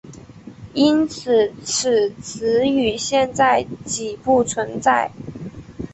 因此此词语现在几不存在。